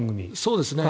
そうですね。